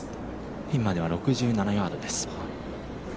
ピンまでは６７ヤードです。